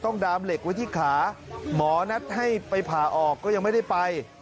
ดามเหล็กไว้ที่ขาหมอนัดให้ไปผ่าออกก็ยังไม่ได้ไป